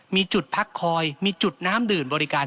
มีจุดพักคอยมีจุดน้ำดื่มบริการ